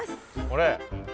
これ？